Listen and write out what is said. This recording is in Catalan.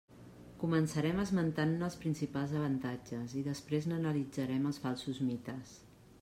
Començarem esmentant-ne els principals avantatges i després n'analitzarem els falsos mites.